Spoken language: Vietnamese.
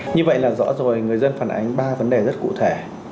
như vậy là rõ rồi người dân phản ánh ba vấn đề rất cụ thể